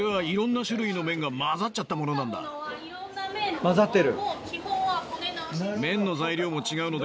混ざってる。